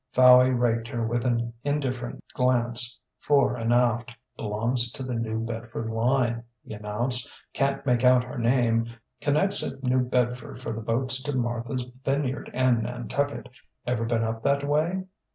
Fowey raked her with an indifferent glance, fore and aft. "Belongs to the New Bedford Line," he announced "can't make out her name connects at New Bedford for the boats to Martha's Vineyard and Nantucket. Ever been up that way?"